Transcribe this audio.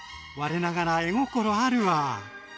我ながら絵心あるわあ。